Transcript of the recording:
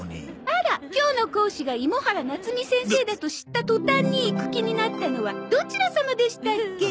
あら今日の講師が芋原なつみ先生だと知ったとたんに行く気になったのはどちら様でしたっけ？